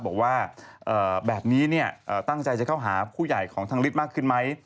บอกว่าแบบนี้ตั้งใจจะเข้าหาผู้ใหญ่ของทางฤทธิ์มากขึ้นไหม